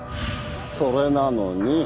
それなのに。